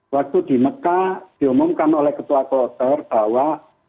waktu di mekah diumumkan oleh ketua kloter bahwa